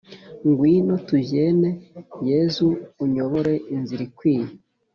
Ngwino tujyene Yezu unyobore inzira ikwiye